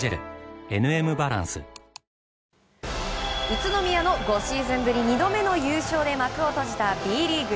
宇都宮の５シーズンぶり２度目の優勝で幕を閉じたＢリーグ。